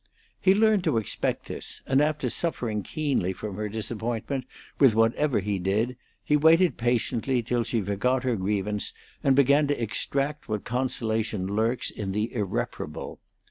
He learned to expect this, and after suffering keenly from her disappointment with whatever he did he waited patiently till she forgot her grievance and began to extract what consolation lurks in the irreparable.